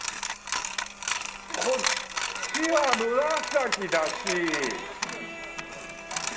こっちは紫だし。